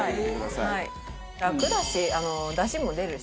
楽だし出汁も出るし。